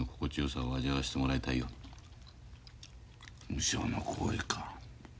無償の行為か。